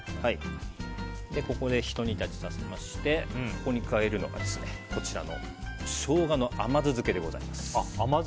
ここでひと煮立ちさせましてここに加えるのがこちらのショウガの甘酢漬けでございます。